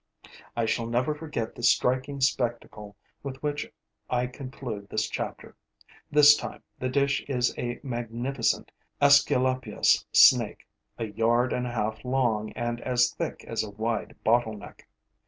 I shall never forget the striking spectacle with which I conclude this chapter. This time, the dish is a magnificent Aesculapius' snake, a yard and a half long and as thick as a wide bottleneck.